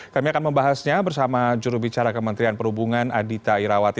kami akan membahasnya bersama jurubicara kementerian perhubungan adita irawati